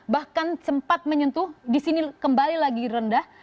bahkan sempat menyentuh di sini kembali lagi rendah